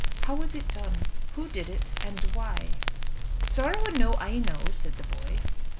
"How was it done? Who did it and why?" "Sorrow a know, I know," said the boy.